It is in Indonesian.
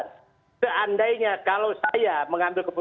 nah ini kan menggambarkan bahwa tidak sama sekali komprensif dengan melakukan ini